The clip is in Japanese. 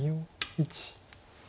１。